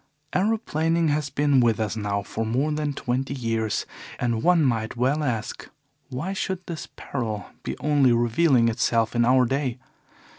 "Aeroplaning has been with us now for more than twenty years, and one might well ask: Why should this peril be only revealing itself in our day?